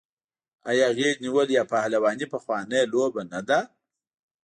آیا غیږ نیول یا پهلواني پخوانۍ لوبه نه ده؟